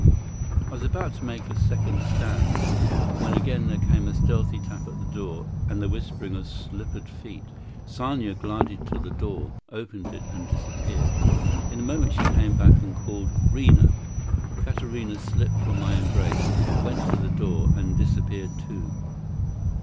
I was about to make a second stand, when again there came a stealthy tap at the door, and the whispering of slippered feet. Sanya glided to the door, opened it, and disappeared. In a moment she came back, and called, "'Rina!" Katarina slipped from my embrace, went to the door, and disappeared too.